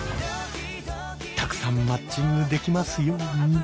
「たくさんマッチングできますように」。